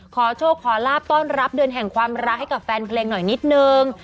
ขอโชคขอลาบต้อนรับเดือนแห่งความรักให้กับแฟนเพลงหน่อยนิดนึง